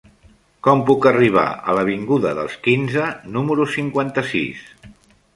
Com puc arribar a l'avinguda dels Quinze número cinquanta-sis?